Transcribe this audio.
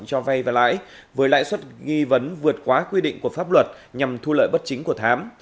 cho ve lãnh với lãi suất nghi vấn vượt quá quy định của pháp luật nhằm thu lợi bất chính của thám